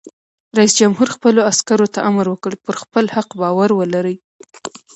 رئیس جمهور خپلو عسکرو ته امر وکړ؛ پر خپل حق باور ولرئ!